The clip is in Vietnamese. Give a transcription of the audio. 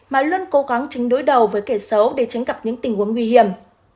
mà luôn cố gắng chính đối đầu với kẻ xấu để tránh gặp những tình huống nguy hiểm